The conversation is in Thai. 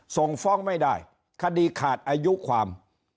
ส่งฟ้องไม่ได้คดีขาดอายุความ